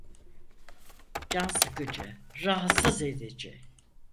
Can sıkıcı, rahatsız edici.